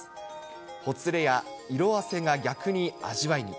ほつれや色あせが逆に味わいに。